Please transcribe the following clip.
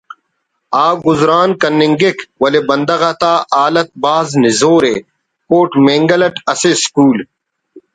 آ گزران کننگک ولے بندغ آتا حالیت بھاز نزور ءِ کوٹ مینگل اٹ اسہ اسکول